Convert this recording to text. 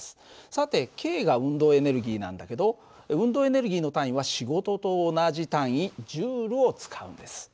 さてＫが運動エネルギーなんだけど運動エネルギーの単位は仕事と同じ単位Ｊを使うんです。